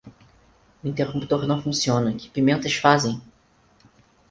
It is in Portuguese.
O interruptor não funciona, que pimentas fazem!